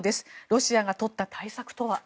ロシアがとった対策とは。